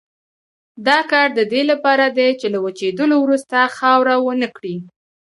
دا کار د دې لپاره دی چې له وچېدلو وروسته خاوره ونه کړي.